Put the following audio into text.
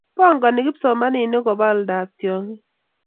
bongonii kipsomaninik koba oldaab chokik